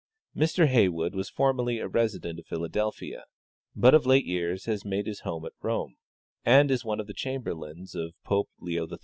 Mr Heywood was formerly a resident of Philadelphia, but of late years has made his home at Rome, and is one of the chamberlains of Pope Leo XIII.